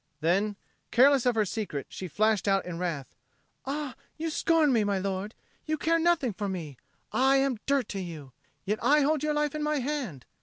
Then, careless of her secret, she flashed out in wrath, "Ah, you scorn me, my lord! You care nothing for me. I am dirt to you. Yet I hold your life in my hand!"